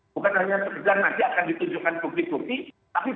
bukan hanya pekerjaan saja akan ditunjukkan publik publik